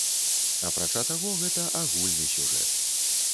Апрача таго, гэта агульны сюжэт.